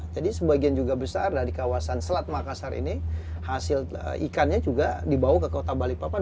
jadi sebagian juga besar dari kawasan selat makassar ini hasil ikannya juga dibawa ke kota balikpapan